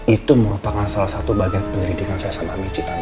itu merupakan salah satu bagian penyelidikan saya sama michi tante